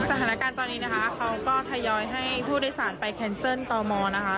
สถานการณ์ตอนนี้เขาก็ทยอยให้ผู้ได้สารไปแคนเซินต์ต่อมอ